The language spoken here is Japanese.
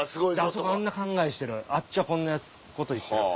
「あそこあんな考えしてるあっちはこんなこと言ってる」。